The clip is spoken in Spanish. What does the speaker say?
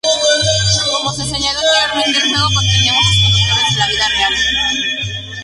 Como se señaló anteriormente, el juego contenía muchos conductores de la vida real.